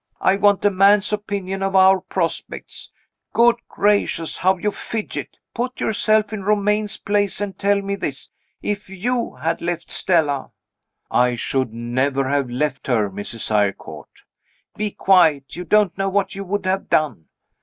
I want a man's opinion of our prospects. Good gracious, how you fidget! Put yourself in Romayne's place, and tell me this. If you had left Stella " "I should never have left her, Mrs. Eyrecourt." "Be quiet. You don't know what you would have done.